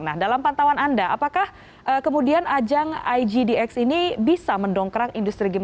nah dalam pantauan anda apakah kemudian ajang igdx ini bisa mendongkrak industri game